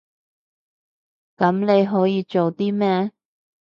噉你可以做啲咩？